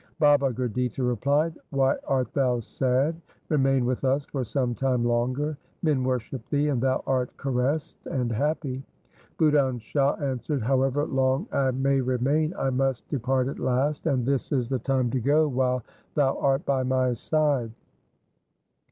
Baba Gurditta replied, ' Why art thou sad ? Remain with us for some time longer. Men worship thee, and thou art caressed and happy.' Budhan Shah answered, ' However long I may remain, I must depart at last ; and this is the time to go while thou art by my side.'